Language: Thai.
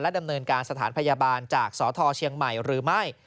ดำเนินการสถานพยาบาลจากสทเชียงใหม่หรือไม่